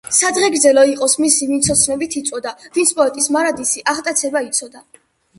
სადღეგრძელო იყოს მისი, ვინც ოცნებით იწვოდა, ვინც პოეტის მარადისი აღტაცება იცოდა.